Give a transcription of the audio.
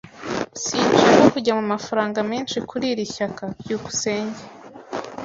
Sinshaka kujya mu mafaranga menshi kuri iri shyaka. byukusenge